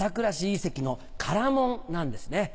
遺跡の唐門なんですね。